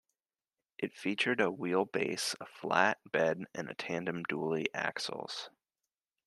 It featured a wheelbase, a flat bed and tandem dually axles.